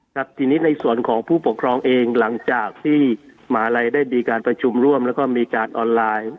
ครับทีนี้ในส่วนของผู้ปกครองเองหลังจากที่หมาลัยได้มีการประชุมร่วมแล้วก็มีการออนไลน์